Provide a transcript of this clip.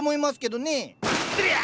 どりゃ！